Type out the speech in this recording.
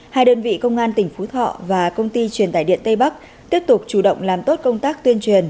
hai đơn vị công an tỉnh phú thọ và công ty truyền tải điện tây bắc tiếp tục chủ động làm tốt công tác tuyên truyền